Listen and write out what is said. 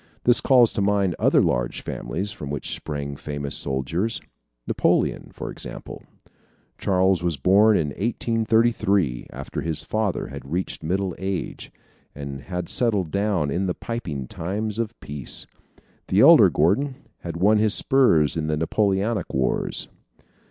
This calls to mind other large families from which sprang famous soldiers Napoleon, for example. Charles was born in 1833, after his father had reached middle age, and had settled down in the piping times of peace. The elder Gordon had won his spurs in the Napoleonic Wars.